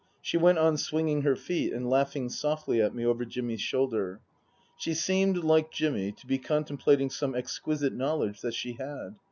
She went on swinging her feet and laughing softly at me qver Jimmy's shoulder. She seemed, like Jimmy, to be contemplating some exquisite knowledge that she had.